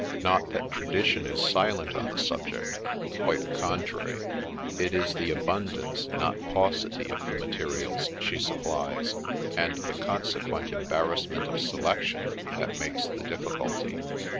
Not that tradition is silent on the subject, — quite the contrary ; it is the abundance, not paucity, of the materials she supplies, and the consequent embarrassment of selection, that makes the difficulty.